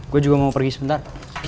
gue juga mau pergi sebentar